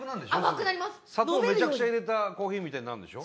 砂糖メチャクチャ入れたコーヒーみたいになるんでしょ？